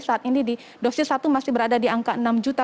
saat ini di dosis satu masih berada di angka enam juta